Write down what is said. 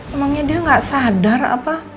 emangnya dia nggak sadar apa